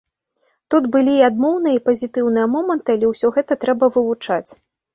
Тут былі і адмоўныя, і пазітыўныя моманты, але ўсё гэта трэба вывучаць.